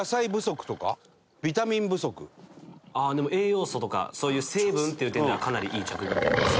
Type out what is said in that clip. でも栄養素とかそういう成分っていう点ではかなりいい着眼点です。